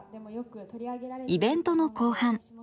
イベントの後半。